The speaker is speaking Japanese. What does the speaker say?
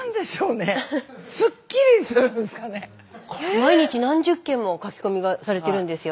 毎日何十件も書き込みがされてるんですよ。